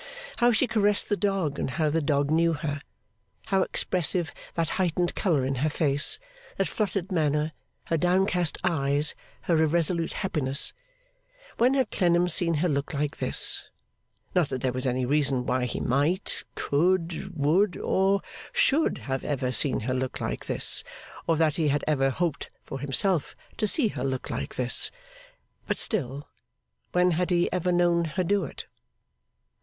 How she caressed the dog, and how the dog knew her! How expressive that heightened colour in her face, that fluttered manner, her downcast eyes, her irresolute happiness! When had Clennam seen her look like this? Not that there was any reason why he might, could, would, or should have ever seen her look like this, or that he had ever hoped for himself to see her look like this; but still when had he ever known her do it!